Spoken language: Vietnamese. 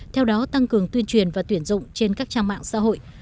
theo đó tăng cường tuyên truyền và tuyển dụng trên các trang mạng xã hội